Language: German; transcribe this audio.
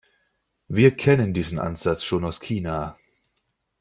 Wir kennen diesen Ansatz schon aus China.